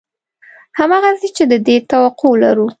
همغسې چې د دې توقع لرو